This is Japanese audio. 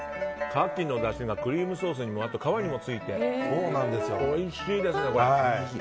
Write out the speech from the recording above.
カキのだしがクリームソースにもあと皮にもついておいしいですね。